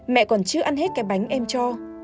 mẹ còn chưa ăn hết cái bánh em cho